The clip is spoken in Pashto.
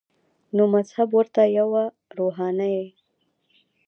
نو مذهب ورته یوه روحاني